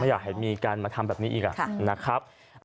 ไม่อยากให้มีการมาทำแบบนี้อีกอ่ะค่ะนะครับ